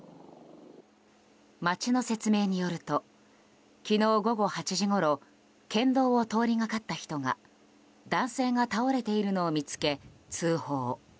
町の説明によると昨日午後８時ごろ県道を通りがかった人が男性が倒れているのを見つけ通報。